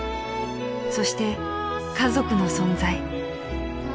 ［そして家族の存在］